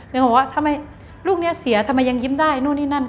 เขาบอกว่าทำไมลูกนี้เสียทำไมยังยิ้มได้นู่นนี่นั่น